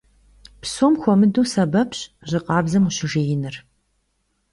Псом хуэмыдэу сэбэпщ жьы къабзэм ущыжеиныр.